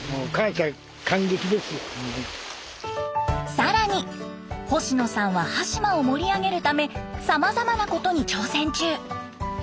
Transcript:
更に星野さんは端島を盛り上げるためさまざまなことに挑戦中。